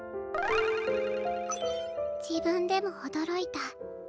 自分でも驚いた。